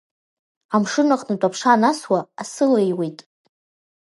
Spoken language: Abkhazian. Амшын аҟнытә аԥша ансуа, асы леиуеит…